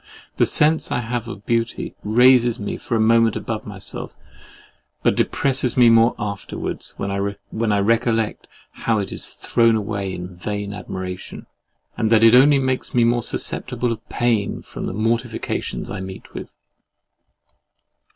The sense I have of beauty raises me for a moment above myself, but depresses me the more afterwards, when I recollect how it is thrown away in vain admiration, and that it only makes me more susceptible of pain from the mortifications I meet with.